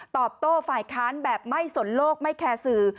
ตอบโต้ฝ่ายค้านแบบไม่สนโลกไม่แคร์สื่อ